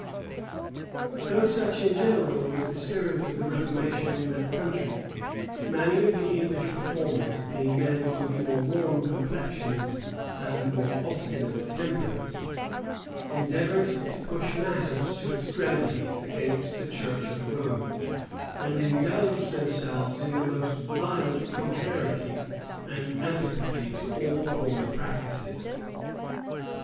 But though such in general was the spirit of the reformation in that country, many of the English reformers, being men of more warm complexions and more obstinate tempers, endeavored to push matters to extremities against the church of Rome, and indulged themselves in the most violent contrariety and antipathy to all former practices.